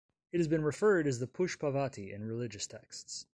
It has been referred as the Pushpavati in religious texts.